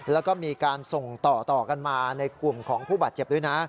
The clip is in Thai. แล้วก็มีการส่งต่อกันมาในกลุ่มของผู้บาดเจ็บด้วยนะ